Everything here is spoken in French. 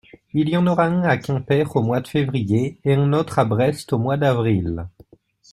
Il y en aura un à Quimper au mois de février et un autre à Brest au mois d’avril.